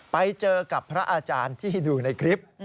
ไปเจอกับพระอาจารย์ที่ดูในคลิป